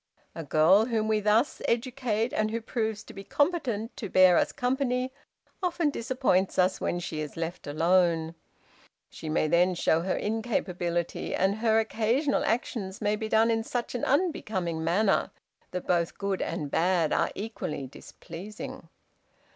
A girl whom we thus educate, and who proves to be competent to bear us company, often disappoints us when she is left alone. She may then show her incapability, and her occasional actions may be done in such an unbecoming manner that both good and bad are equally displeasing.